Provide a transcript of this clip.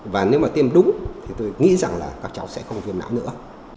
và nếu mà tiêm đúng thì tôi nghĩ rằng là các cháu sẽ không viêm não nữa